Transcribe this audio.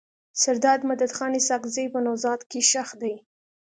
سردار مددخان اسحق زی په نوزاد کي ښخ دی.